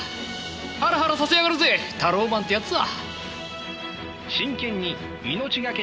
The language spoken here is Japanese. ハラハラさせやがるぜタローマンってやつは。